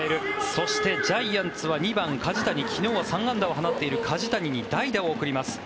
そして、ジャイアンツは２番、梶谷昨日は３安打を放っている梶谷に代打を送ります。